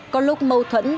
có lúc mâu thuẫn